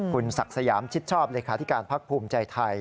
คุณศักดิ์สยามชิดชอบเลยค่ะที่การภักดิ์ภูมิใจไทย